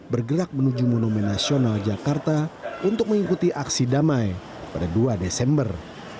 bergerak menuju monumen nasional jakarta untuk mengikuti aksi damai pada dua desember